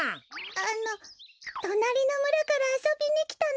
あのとなりのむらからあそびにきたの。